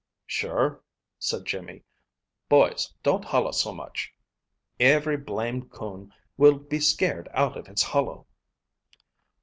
"Sure," said Jimmy. "Boys, don't hollo so much. Every blamed coon will be scared out of its hollow!"